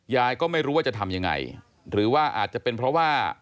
ยายก็ไม่รู้ว่าจะทำยังไงหรือว่าอาจจะเป็นเพราะว่า